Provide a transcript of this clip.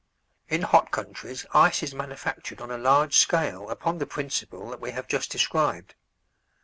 In hot countries ice is manufactured on a large scale upon the principle that we have just described.